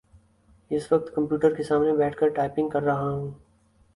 اس وقت کمپیوٹر کے سامنے بیٹھ کر ٹائپنگ کر رہا ہوں